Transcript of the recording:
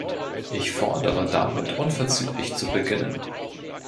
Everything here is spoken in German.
Ich fordere, damit unverzüglich zu beginnen.